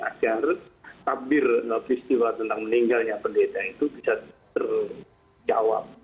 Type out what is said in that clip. agar takbir peristiwa tentang meninggalnya pendeta itu bisa terjawab